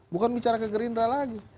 bukan bicara ke gerindra lagi